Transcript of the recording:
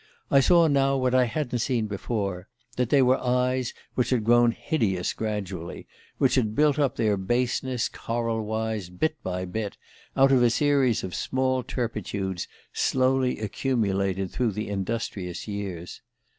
I saw now what I hadn't seen before: that they were eyes which had grown hideous gradually, which had built up their baseness coral wise, bit by bit, out of a series of small turpitudes slowly accumulated through the industrious years.